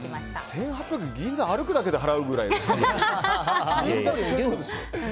１８００円、銀座を歩くだけで払うくらいですよ。